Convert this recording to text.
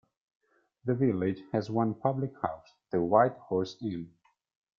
The village has one public house: the White Horse Inn.